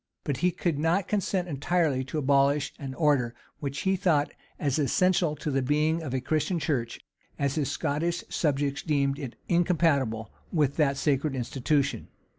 But he could not consent entirely to abolish an order which he thought as essential to the being of a Christian church, as his Scottish subjects deemed it incompatible with that sacred institution.